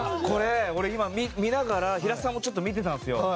これ俺見ながら平田さんもちょっと見てたんですよ。